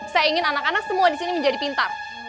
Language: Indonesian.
saya ingin anak anak semua disini menjadi pintar